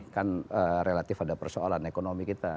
kan relatif ada persoalan ekonomi kita